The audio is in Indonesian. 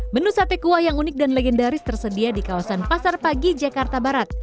menu sate kuah yang unik dan legendaris tersedia di kawasan pasar pagi jakarta barat